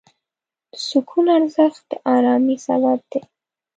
د سکون ارزښت د آرامۍ سبب دی.